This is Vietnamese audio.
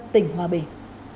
tỉnh hòa bình